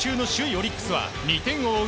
オリックスは２点を追う